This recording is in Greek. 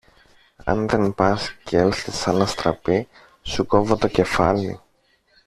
Αν δεν πας κι έλθεις σαν αστραπή, σου κόβω το κεφάλι!